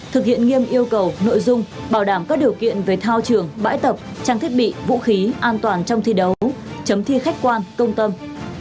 thực hiện nghiêm yêu cầu nội dung bảo đảm các điều kiện về thao trường bãi tập trang thiết bị vũ khí an toàn trong thi đấu chấm thi khách quan công tâm